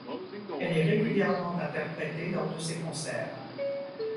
Elle est régulièrement interprétée lors de ses concerts.